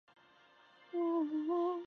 听说隔壁庄那个人赚了不少啊